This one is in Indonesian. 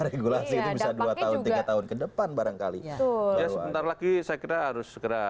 regulasi bisa dua tahun tiga tahun kedepan barangkali sebentar lagi saya kira harus segera